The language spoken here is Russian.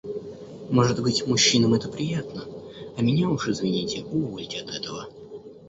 Может быть, мужчинам это приятно, а меня, уж извините, увольте от этого.